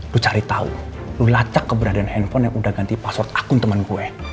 lo cari tau lo lacak keberadaan handphone yang udah ganti password akun temen gue